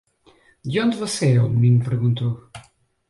"De onde você é?" o menino perguntou.